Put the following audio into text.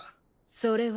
それは。